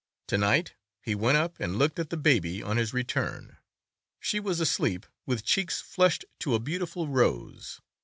To night he went up and looked at the baby on his return; she was asleep, with cheeks flushed to a beautiful rose.